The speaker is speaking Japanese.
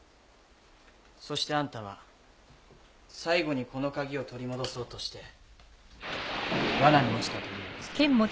そしてあんたは最後にこの鍵を取り戻そうとして罠に落ちたというわけさ。